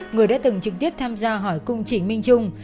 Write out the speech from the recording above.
người đã từng trực tiếp tham gia hỏi cung trịnh minh trung